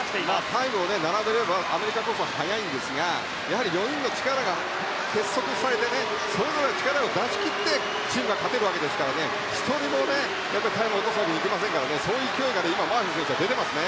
タイムを並べればアメリカが速いんですが４人の力が結束されてそれぞれ力を出し切ってチームが勝てるわけですから１人もタイムを落とせませんからそういう勢いがマーフィー選手は出ていますね。